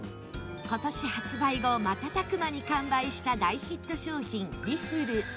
今年発売後瞬く間に完売した大ヒット商品リフル。